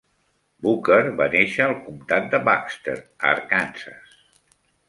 Booker va néixer al comtat de Baxter, a Arkansas.